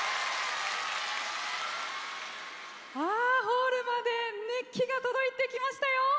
ホールまで熱気が届いてきましたよ。